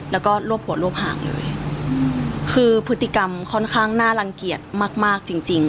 แล้วก็รวบหัวรวบห่างเลยคือพฤติกรรมค่อนข้างน่ารังเกียจมากมากจริงจริง